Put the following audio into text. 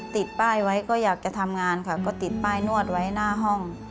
ติดป้ายไว้ก็อยากจะทำงานค่ะก็ติดป้ายนวดไว้หน้าห้อง